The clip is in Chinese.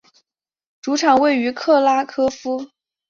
主场位于克拉科夫。